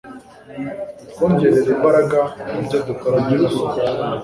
utwongerere imbaraga mu byo dukora nyagasani